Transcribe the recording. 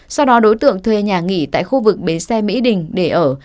sau đó đối tượng thuê nhà nghỉ tại khu vực bến xe mỹ đình để ở